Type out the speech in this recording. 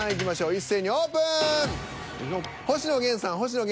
一斉にオープン！